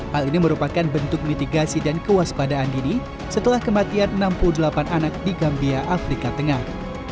hal ini merupakan bentuk mitigasi dan kewaspadaan dini setelah kematian enam puluh delapan anak di gambia afrika tengah